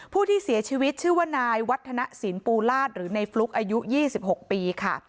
ผู้ที่เสียชีวิตชื่อว่านายวัฒนศิลปูลาศหรือในฟลุ๊กอายุ๒๖ปีค่ะ